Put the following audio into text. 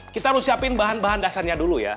kita harus siapin bahan bahan dasarnya dulu ya